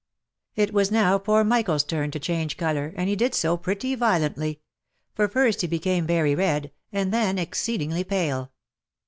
It was now poor Michael's turn to change colour, and he did so pretty violently — for first he became very red, and then exceedingly pale.